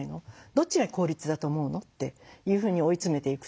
どっちが効率だと思うの？」っていうふうに追い詰めていくとか。